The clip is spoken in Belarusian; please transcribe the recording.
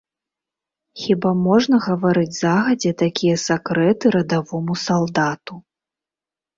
Хіба можна гаварыць загадзя такія сакрэты радавому салдату?